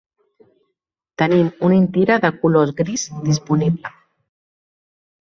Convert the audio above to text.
Tenim un Intira de color gris disponible.